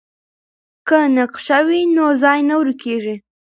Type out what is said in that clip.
که نقشه وي نو ځای نه ورکیږي.